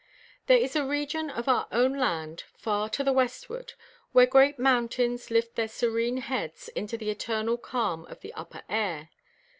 There is a region of our own land, far to the westward, where great mountains lift their serene heads into the eternal calm of the upper air.